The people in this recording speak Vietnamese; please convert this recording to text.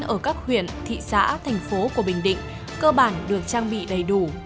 ở các huyện thị xã thành phố của bình định cơ bản được trang bị đầy đủ